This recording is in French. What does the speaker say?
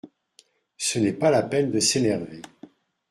Ce n’est pas la peine de s’énerver.